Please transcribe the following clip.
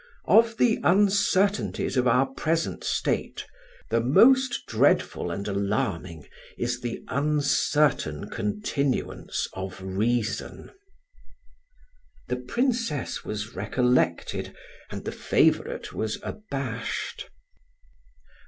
Of the uncertainties of our present state, the most dreadful and alarming is the uncertain continuance of reason." The Princess was recollected, and the favourite was abashed.